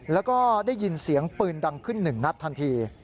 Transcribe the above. แล้วก็ได้ยินเสียงปืนดังขึ้นหนึ่งนัดทันที